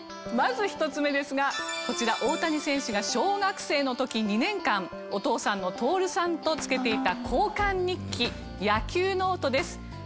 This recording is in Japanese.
まず１つ目ですがこちら大谷選手が小学生の時２年間お父さんの徹さんとつけていた交換日記「野球ノート」です。